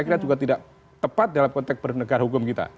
dan juga tidak tepat dalam konteks pernegaraan hukum kita